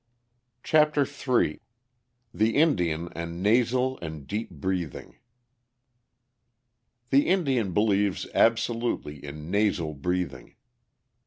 CHAPTER III THE INDIAN AND NASAL AND DEEP BREATHING The Indian believes absolutely in nasal breathing.